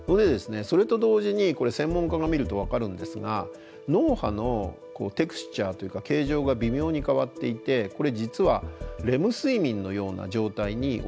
それと同時に専門家が見ると分かるんですが脳波のテクスチャーというか形状が微妙に変わっていてこれ実はレム睡眠のような状態に陥ってると。